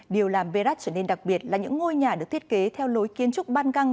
điều làm berrat trở nên đặc biệt là những ngôi nhà được thiết kế theo lối kiến trúc ban căng